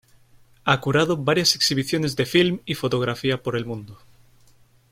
Ha curado varias exhibiciones de film y fotografía por el mundo.